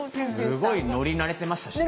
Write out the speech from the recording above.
すごい乗り慣れてましたしね。